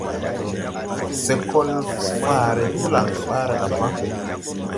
Se kol faare ti holaŋ ɓaara ga pa.